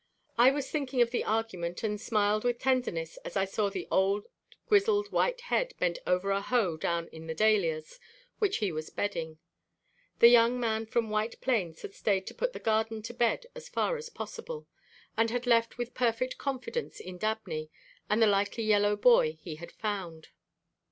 I was thinking of the argument and smiled with tenderness as I saw the old grizzled white head bent over a hoe down in the dahlias, which he was bedding. The young man from White Plains had stayed to put the garden to bed as far as possible, and had left with perfect confidence in Dabney and the likely yellow boy he had found.